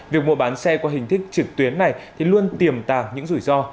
việc mua bán xe qua hình thức trực tuyến này thì luôn tiềm tàng những rủi ro